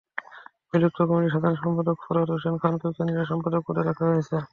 বিলুপ্ত কমিটির সাধারণ সম্পাদক ফরহাদ হোসেন খানকেও কেন্দ্রীয় সহসম্পাদক পদে রাখা হয়েছে।